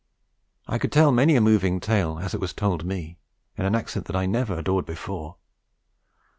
I could tell many a moving tale as it was told to me, in an accent that I never adored before.